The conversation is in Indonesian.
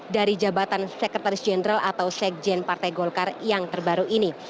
dari jabatan sekretaris jenderal atau sekjen partai golkar yang terbaru ini